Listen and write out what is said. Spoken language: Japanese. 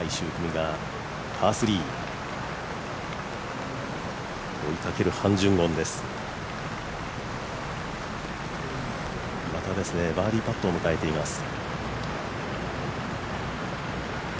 岩田はバーディーパットを迎えています。